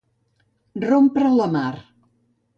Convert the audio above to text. Rompre la mar.